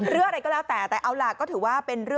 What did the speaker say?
เรื่องอะไรก็แล้วแต่